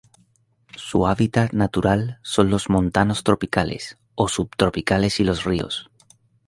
Su hábitat natural son los montanos tropicales o subtropicales y los ríos.